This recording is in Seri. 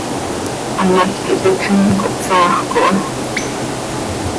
Hamác ihpitlim, cohpsaahjöc aha.